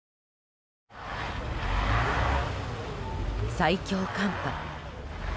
最強寒波。